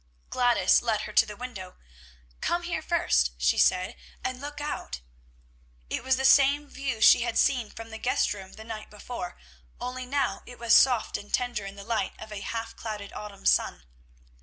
Gladys led her to the window. "Come here first," she said, "and look out." It was the same view she had seen from the guest room the night before, only now it was soft and tender in the light of a half clouded autumn sun.